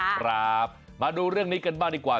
ครับมาดูเรื่องนี้กันบ้างดีกว่า